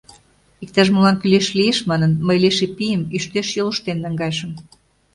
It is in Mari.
Иктаж-молан кӱлеш лиеш манын, мый Леший пийым ӱштеш йолыштен наҥгайышым.